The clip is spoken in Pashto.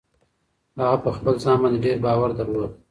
هغه په خپل ځان باندې ډېر باور درلود.